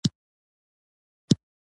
هغه شپږ چنده شتمن دی چې ډېر توپیر دی.